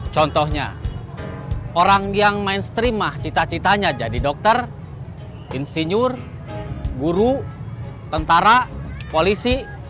contohnya orang yang mainstream mah cita citanya jadi dokter insinyur guru tentara polisi